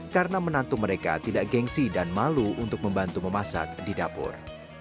karena menantu mereka tidak gengsi dan malu untuk membantu memasak di dapur